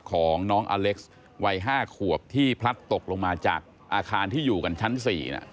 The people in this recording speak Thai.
ของน้องอเล็กซ์วัย๕ขวบที่พลัดตกลงมาจากอาคารที่อยู่กันชั้น๔